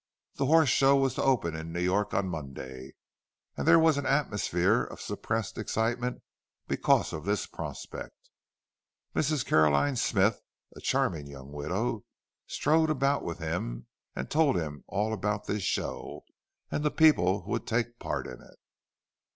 The Horse Show was to open in New York on Monday, and there was an atmosphere of suppressed excitement because of this prospect; Mrs. Caroline Smythe, a charming young widow, strolled about with him and told him all about this Show, and the people who would take part in it.